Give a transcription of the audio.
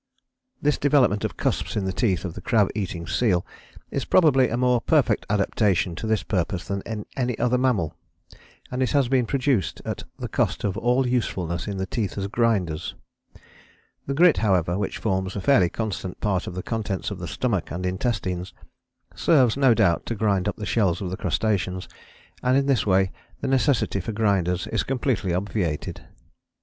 This development of cusps in the teeth of the [crab eating seal] is probably a more perfect adaptation to this purpose than in any other mammal, and has been produced at the cost of all usefulness in the teeth as grinders. The grit, however, which forms a fairly constant part of the contents of the stomach and intestines, serves, no doubt, to grind up the shells of the crustaceans, and in this way the necessity for grinders is completely obviated."